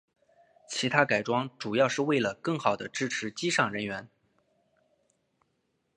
其它改装主要是为了更好地支持机上人员。